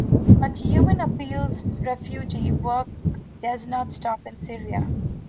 But Human Appeal's refugee work does not stop in Syria.